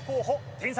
天才